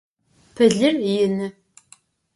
Pılır yinı.